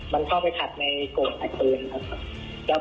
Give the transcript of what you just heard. มันเข้าไปถัดในกรดถัดปืนนะครับ